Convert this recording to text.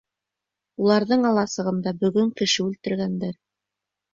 Уларҙың аласығында бөгөн кеше үлтергәндәр.